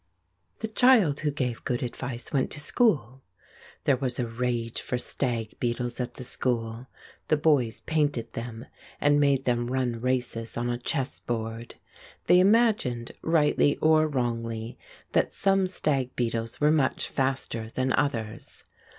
The child who gave good advice went to school. There was a rage for stag beetles at the school; the boys painted them and made them run races on a chessboard. They imagined rightly or wrongly that some stag beetles were much faster than others.